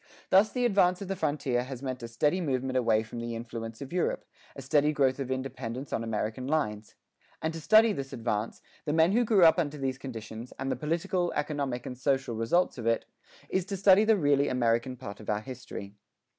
Thus the advance of the frontier has meant a steady movement away from the influence of Europe, a steady growth of independence on American lines. And to study this advance, the men who grew up under these conditions, and the political, economic, and social results of it, is to study the really American part of our history.